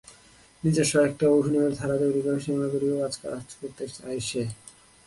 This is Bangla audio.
নিজস্ব একটি অভিনয়ের ধারা তৈরি করে সীমানা পেরিয়েও কাজ করতে চায় সে।